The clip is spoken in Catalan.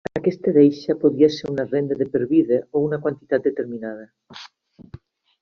Aquesta deixa podia ser una renda de per vida o una quantitat determinada.